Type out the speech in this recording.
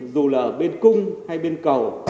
dù là bên cung hay bên cầu